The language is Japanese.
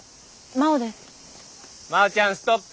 真央ちゃんストップ。